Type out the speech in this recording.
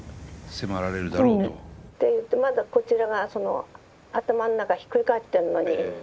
迫られるだろうと。って言ってまだこちらがその頭の中ひっくり返ってるのに。